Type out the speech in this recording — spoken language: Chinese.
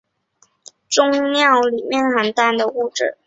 终尿里面是含氮的物质。